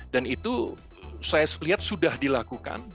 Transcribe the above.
dan itu saya lihat sudah dilakukan